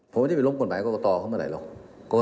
ผมไม่ได้ไปล้มกฎหมายกรกฎเข้ามาเลยหรอก